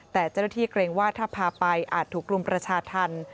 แต่เจ้าหน้าที่เกรงว่าถ้าพาไปอาจถูกรุมประชาธรรม